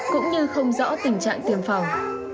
cũng như không rõ tình trạng tiêm phòng